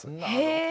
へえ！